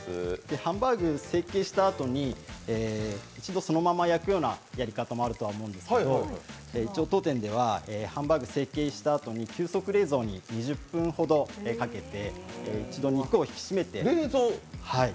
ハンバーグ成形したあとにそのまま焼くやり方もあるとは思うんですけれども、一応当店では、ハンバーグ成形したあとに、急速冷蔵に２０分ほどかけて一度肉を引き締めて。